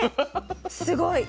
すごい。